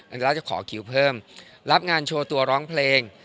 อันดังนั้นจะขอคิวเพิ่มรับงานโชว์ตัวร้องเพลง